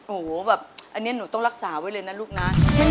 โอ้โหแบบอันนี้หนูต้องรักษาไว้เลยนะลูกนะ